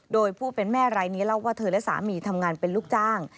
โดยผู้เป็นแม่รายนี้เล่าว่าเธอและสามีทำงานเป็นลูกจ้าง